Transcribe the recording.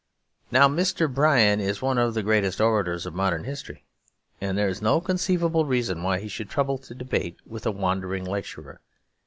Now Mr. Bryan is one of the greatest orators of modern history, and there is no conceivable reason why he should trouble to debate with a wandering lecturer.